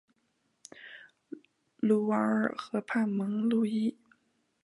卢瓦尔河畔蒙路易。